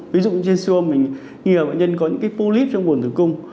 ví dụ như trên xương mình nghi ngờ bệnh nhân có những cái pulip trong bùn tử cung